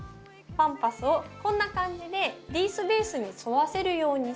パンパスをこんな感じでリースベースに沿わせるようにして巻いていきます。